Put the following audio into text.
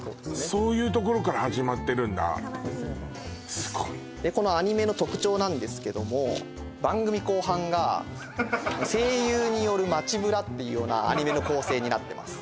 そういうところから始まってるんだかわいいすごいでこのアニメの特徴なんですけども番組後半が声優による街ブラっていうようなアニメの構成になってます